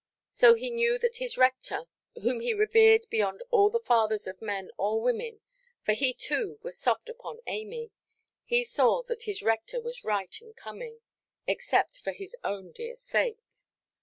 So he knew that his rector, whom he revered beyond all the fathers of men or women—for he too was soft upon Amy—he saw that his rector was right in coming, except for his own dear sake.